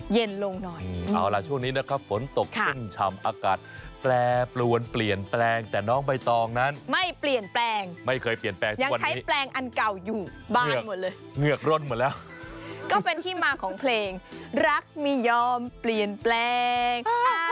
ยังใช้แปลงอันเก่าอยู่บ้านหมดเลยเหือกร่นหมดแล้วก็เป็นที่มาของเพลงรักมียอมเปลี่ยนแปลง